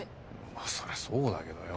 まあそりゃそうだけどよ。